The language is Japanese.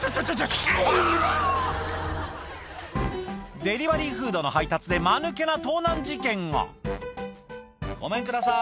デリバリーフードの配達でマヌケな盗難事件が「ごめんください